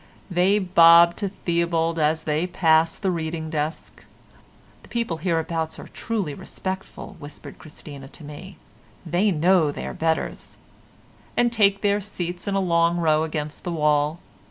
They bob to Theobald as they passed the reading desk ("The people hereabouts are truly respectful," whispered Christina to me, "they know their betters."), and take their seats in a long row against the wall.